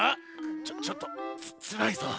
ちょちょっとつらいぞ。